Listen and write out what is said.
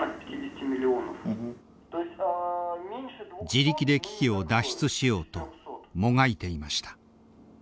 自力で危機を脱出しようともがいていました。